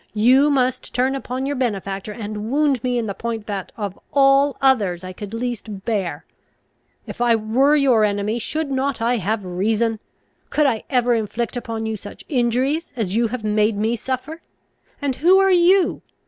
you must turn upon your benefactor, and wound me in the point that of all others I could least bear. If I were your enemy, should not I have reason? Could I ever inflict upon you such injuries as you have made me suffer? And who are you?